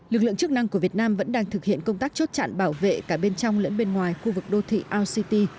lực lượng chức năng của việt nam vẫn đang thực hiện công tác chốt chặn bảo vệ cả bên trong lẫn bên ngoài khu vực đô thị our city